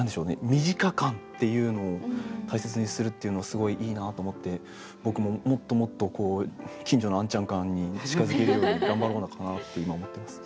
身近感っていうのを大切にするっていうのはすごいいいなと思って僕ももっともっと近所のあんちゃん感に近づけるように頑張ろうかなって今思ってます。